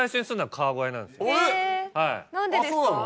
へぇ何でですか？